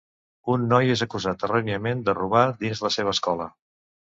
Un noi és acusat erròniament de robar dins la seva escola.